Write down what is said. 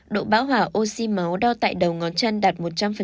độ bão hỏa oxy máu đo tại đầu ngón chân đạt một trăm linh